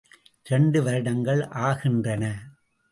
இரண்டு வருடங்கள் ஆகின்றன.